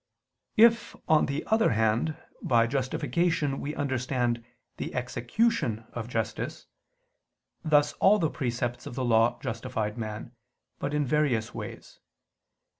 If, on the other hand, by justification we understand the execution of justice, thus all the precepts of the Law justified man, but in various ways.